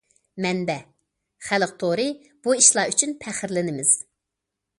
مەنبە: خەلق تورى بۇ ئىشلار ئۈچۈن پەخىرلىنىمىز.